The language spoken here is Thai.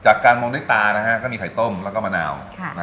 การมองด้วยตาก็มีไข่ต้มแล้วก็มะนาว